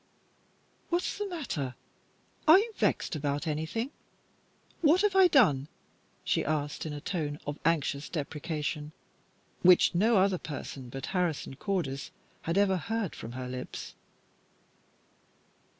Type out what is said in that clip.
"What's the matter? Are you vexed about anything? What have I done?" she asked, in a tone of anxious deprecation which no other person but Harrison Cordis had ever heard from her lips.